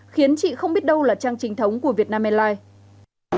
khiến chị không biết đâu là trang trình thống của việt nam airlines